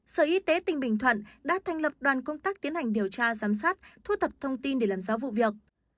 sở y tế tỉnh bình thuận đã thành lập đoàn công tác tiến hành điều tra giám sát thu thập thông tin để làm rõ vụ việc